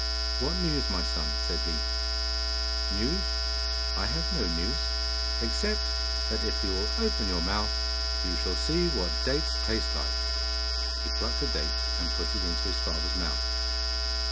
'What news, my son?' said he. 'News? I have no news, except that if you will open your mouth you shall see what dates taste like.' And he plucked a date, and put it into his father's mouth.